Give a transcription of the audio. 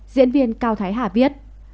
diễn viên cao thái hà viết